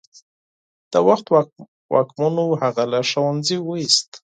د وخت واکمنو هغه له ښوونځي ویست.